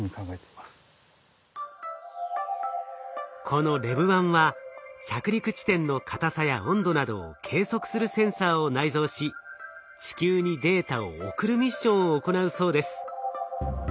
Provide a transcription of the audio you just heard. このＬＥＶ−１は着陸地点の硬さや温度などを計測するセンサーを内蔵し地球にデータを送るミッションを行うそうです。